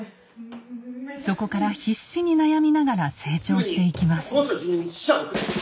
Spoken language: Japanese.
そこから必死に悩みながら成長していきます。